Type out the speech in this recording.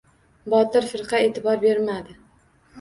Botir firqa e’tibor bermadi.